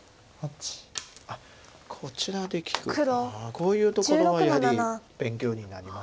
こういうところがやはり勉強になります。